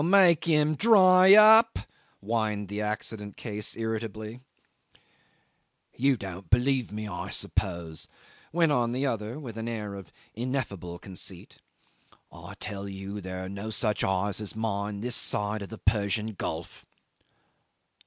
"Oh! make 'im dry up," whined the accident case irritably. "You don't believe me, I suppose," went on the other, with an air of ineffable conceit. "I tell you there are no such eyes as mine this side of the Persian Gulf.